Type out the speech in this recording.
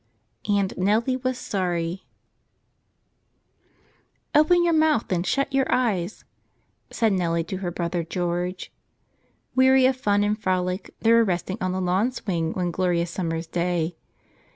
41 Sltio Ji3ellte anas @>otrp OPEN your mouth and shut your eyes," said Nellie to her brother George. Weary of fun and frolic they were resting on the lawn swing one glorious summer's day.